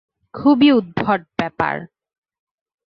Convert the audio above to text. খুবই উদ্ভট ব্যাপার।